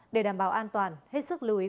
để đảm bảo an toàn hết sức lưu ý quý vị